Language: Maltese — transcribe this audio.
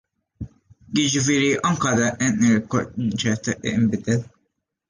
Jiġifieri anke dan il-konċett inbidel.